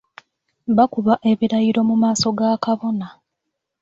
Bakuba ebirayiro mu maaso ga kabona.